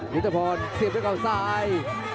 ยุทธพรเสียบด้วยเขาซ้าย